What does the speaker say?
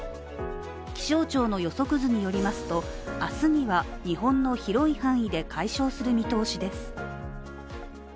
気象庁の予測図によりますと、明日には日本の広い範囲で解消する見通しです。